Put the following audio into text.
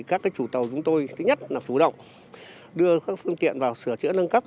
các chủ tàu chúng tôi thứ nhất là chủ động đưa các phương tiện vào sửa chữa nâng cấp